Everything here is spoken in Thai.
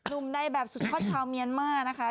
นุ่มได้แบบสุดทอดชาวเมียนมากนะคะ